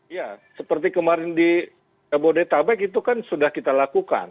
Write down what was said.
ya seperti kemarin di jabodetabek itu kan sudah kita lakukan